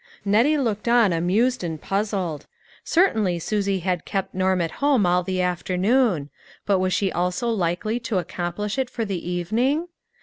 Nettie looked on amused and puzzled. Certainly Susie had kept Norm at home all the afternoon ; but was she also likely to accomplish it for the evening?